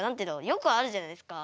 よくあるじゃないですか。